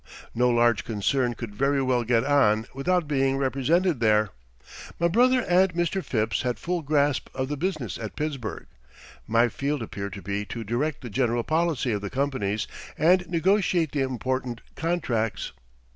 No large concern could very well get on without being represented there. My brother and Mr. Phipps had full grasp of the business at Pittsburgh. My field appeared to be to direct the general policy of the companies and negotiate the important contracts.